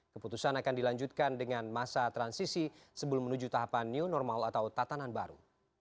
keputusan akan dilanjutkan dengan masa transisi sebelum menuju tahapan new normal atau tatanan baru